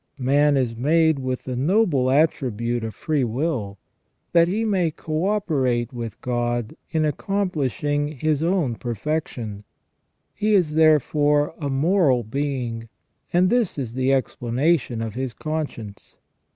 Man is made with the noble attribute of free will, that he may co operate with God in accomplishing his own perfec tion ; he is therefore a moral being, and this is the explanation of his conscience.